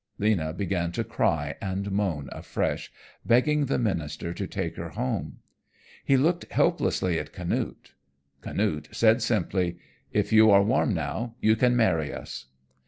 Lena began to cry and moan afresh, begging the minister to take her home. He looked helplessly at Canute. Canute said simply, "If you are warm now, you can marry us."